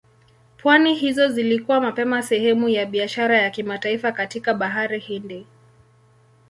Pwani hizo zilikuwa mapema sehemu ya biashara ya kimataifa katika Bahari Hindi.